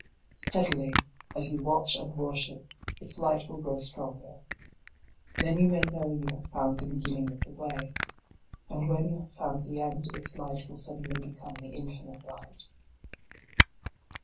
Steadily, as you watch and worship, its light will grow stronger. Then you may know you have found the beginning of the way. And when you have found the end its light will suddenly become the infinite light.